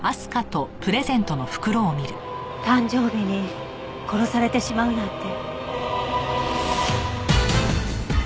誕生日に殺されてしまうなんて。